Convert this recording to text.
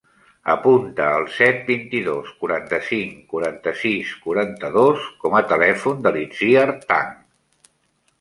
Apunta el set, vint-i-dos, quaranta-cinc, quaranta-sis, quaranta-dos com a telèfon de l'Itziar Tang.